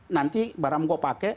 nanti barang kau pakai